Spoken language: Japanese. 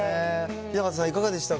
雛形さん、いかがでしたか？